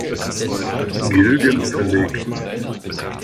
Gilgen verlegt.